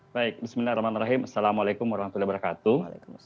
baik bismillahirrahmanirrahim assalamualaikum warahmatullahi wabarakatuh